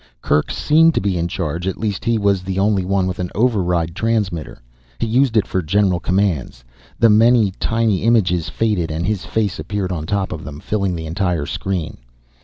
Kerk seemed to be in charge, at least he was the only one with an override transmitter. He used it for general commands. The many, tiny images faded and his face appeared on top of them, filling the entire screen.